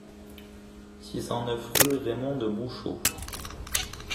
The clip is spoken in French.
six cent neuf rue Raymonde Bouchaut